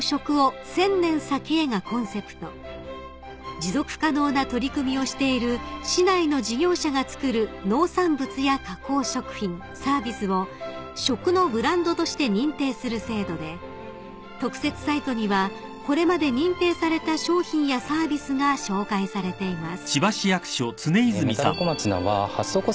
［持続可能な取り組みをしている市内の事業者がつくる農産物や加工食品サービスを食のブランドとして認定する制度で特設サイトにはこれまで認定された商品やサービスが紹介されています］